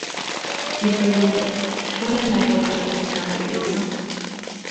Y preguntó: '¿Cuál es la forma lógica de eso?